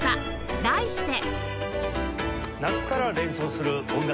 題して